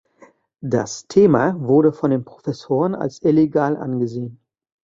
Das Thema wurde von den Professoren als illegal angesehen.